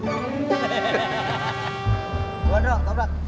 buat dong ketoprak